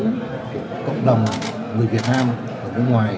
của cộng đồng người việt nam ở nước ngoài